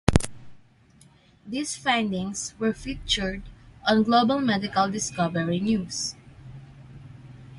These findings were featured on Global Medical Discovery news.